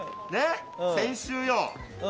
先週よ！